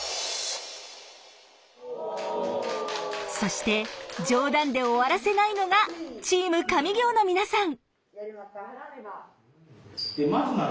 そして冗談で終わらせないのが「チーム上京！」の皆さん。